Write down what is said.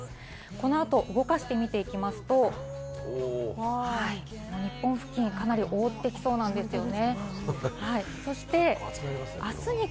この後、動かしてみていきますと、日本付近、かなり覆ってきそうなんですよね。